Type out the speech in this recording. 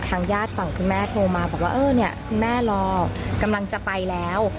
ญาติฝั่งคุณแม่โทรมาบอกว่าเออเนี่ยคุณแม่รอกำลังจะไปแล้ว